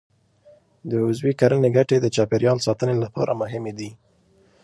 د عضوي کرنې ګټې د چاپېریال ساتنې لپاره مهمې دي.